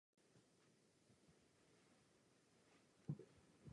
Maják je bílý.